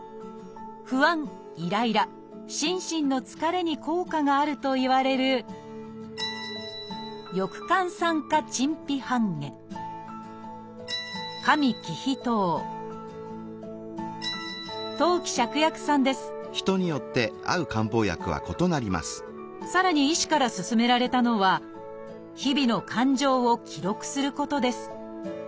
不安イライラ心身の疲れに効果があるといわれるさらに医師から勧められたのは日々の感情を記録することです。